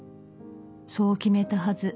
そう決めたはず